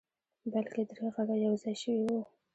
بلکې درې غږه يو ځای شوي وو.